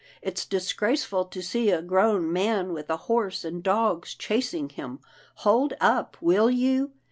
It's dis graceful to see a grown man with a horse and dogs chasing him. Hold up, will you